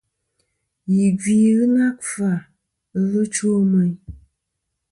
Yì gvi ghɨ na kfa, ɨlvɨ chwo meyn.